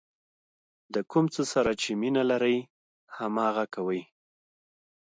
د کوم څه سره چې مینه لرئ هماغه کوئ.